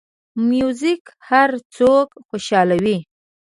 موزیک هر څوک خوشحالوي.